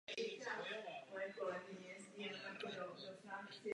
V současnosti je kostel symbolem ruského katolicismu a náboženské svobody Ruska.